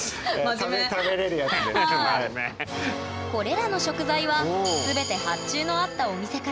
これらの食材は全て発注のあったそっか。